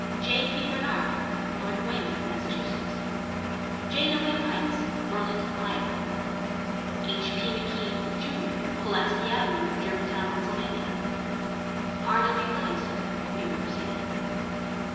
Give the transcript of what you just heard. J. P. Barnard, North Wey mouth, Mass. ; J. W. Heitz, Burlington, Iowa; H. P. McKean, Jr., Pulaski avenue, German town, Penn. ; R.W. Livingston, New York City.